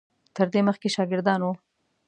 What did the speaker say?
تر دې مخکې شاګردان وو.